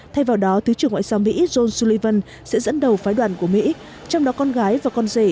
thay vào đó thứ trưởng ngoại giao mỹ john sullivan sẽ dẫn đầu phái đoàn của mỹ trong đó con gái và con rể